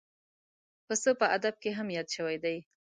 پسه په ادب کې هم یاد شوی دی.